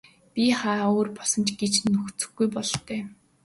Бие хаа нь өөр болсон ч гэж нөхцөлгүй бололтой.